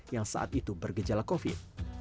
yang saat itu bergejala covid